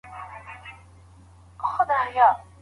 که کلمې سره یو ځای سي نو د پوهي سمندر جوړوي.